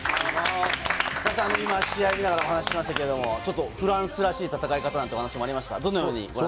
今、試合見ながらお話しましたが、フランスらしい戦い方というお話もありました。